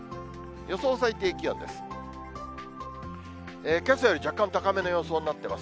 予想最低気温です。